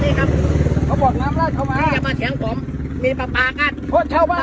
นี่ครับเขาบอกน้ำลาดเข้ามาอย่ามาเถียงผมมีปลาปลากันเพราะชาวบ้าน